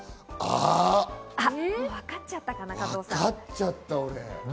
分かっちゃった、俺。